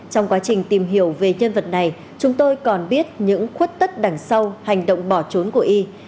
trong quá trình tìm hiểu về nhân vật này chúng tôi còn biết những khuất tất đằng sau hành động bỏ trốn của y